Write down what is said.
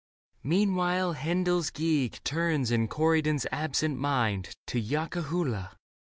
Meanwhile Handel's Gigue Turns in Corydon's absent mind To Yakka Hoola.